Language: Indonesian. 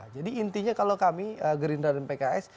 jadi intinya kalau kami gerindra dan pks